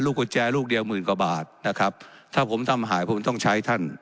กุญแจลูกเดียวหมื่นกว่าบาทนะครับถ้าผมทำหายผมต้องใช้ท่าน